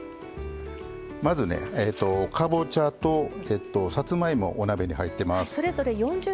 まずねかぼちゃとさつまいもお鍋に入ってます。